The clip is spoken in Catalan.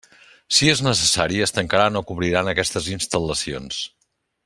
Si és necessari, es tancaran o cobriran aquestes instal·lacions.